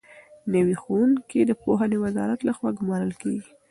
نوي ښوونکي د پوهنې وزارت لخوا ګومارل کېږي.